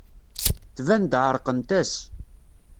Tban-d ɛerqent-as.